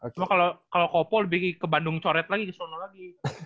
cuma kalau kopo lebih ke bandung coret lagi ke sana lagi